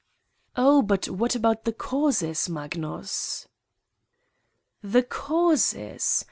"Oh, but what about the causes, Magnus V 9 "The causes!